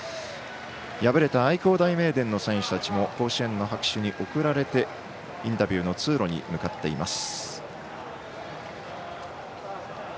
敗れた愛工大名電の選手たちも甲子園の拍手に送られてインタビューの通路に向かっています。